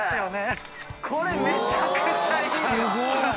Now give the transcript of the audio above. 覆个拭これめちゃくちゃいいわ！